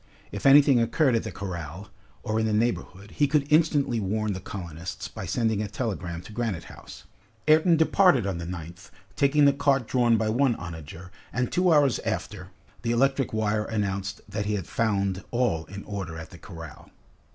If anything occurred at the corral, or in the neighborhood, he could instantly warn the colonists by sending a telegram to Granite House. Ayrton departed at dawn on the 9th, taking the cart drawn by one onager, and two hours after, the electric wire announced that he had found all in order at the corral.